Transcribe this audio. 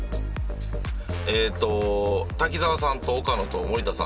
えーっと滝沢さんと岡野と森田さんの。